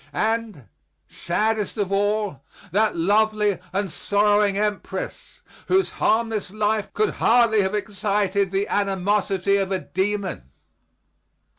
and, saddest of all, that lovely and sorrowing empress, whose harmless life could hardly have excited the animosity of a demon?